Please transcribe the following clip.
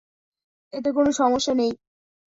এতে কোনো সমস্যা নেই।